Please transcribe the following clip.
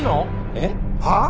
えっ？はあ？